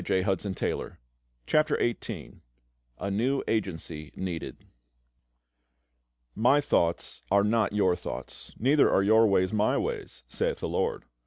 CHAPTER XVIII A NEW AGENCY NEEDED "My thoughts are not your thoughts, neither are your ways My ways, saith the LORD.